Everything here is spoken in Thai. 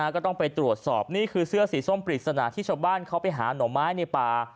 ก็ต้องไปตรวจสอบนี่คือเสื้อสีส้มปริศนาที่ชาวบ้านเขาไปหาหน่อไม้ในป่า